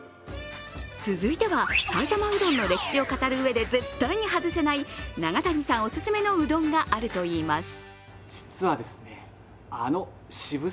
続いては、埼玉うどんの歴史を語る上で絶対に外せない永谷さんお勧めのうどんがあるといいます。